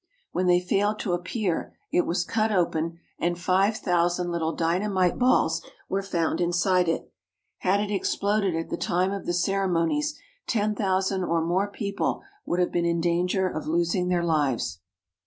When they failed to appear it was cut open and five thousand little dynamite balls were found inside it. Had it exploded at the time of the ceremonies ten thousand or more people would have been in danger of losing their lives.